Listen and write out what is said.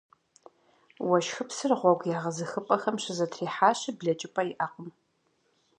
Уэшхыпсыр гъуэгу егъэзыхыпӏэхэм щызэтрихьащи, блэкӏыпӏэ иӏэкъым.